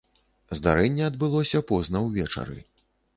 Здарэнне адбылося позна ўвечары.